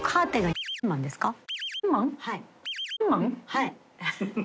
はい。